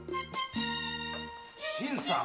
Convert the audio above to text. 新さん！